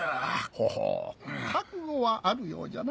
ほほう覚悟はあるようじゃな。